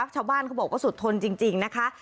ชาวบ้านเขาบอกว่าสุดทนจริงนะคะ